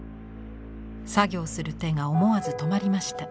作業する手が思わず止まりました。